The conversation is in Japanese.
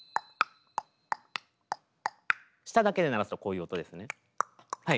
舌だけで鳴らすとこういう音ですね。